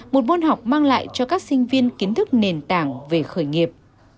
một môn học mang lại cho các sinh viên kiến thức nền tảng về khởi nghiệp